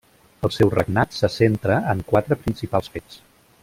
El seu regnat se centra en quatre principals fets.